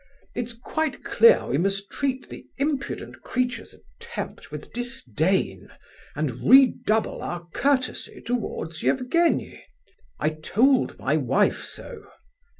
It's quite clear we must treat the impudent creature's attempt with disdain, and redouble our courtesy towards Evgenie. I told my wife so.